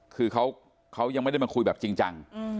คือเขายังไม่ได้มาคุยแบบจริงจัง